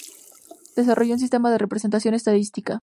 Desarrolló un sistema de representación estadística.